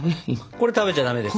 これ食べちゃダメですか？